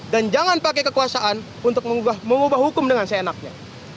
dan jangan pakai kekuasaan untuk mengubah hukum dengan seenaknya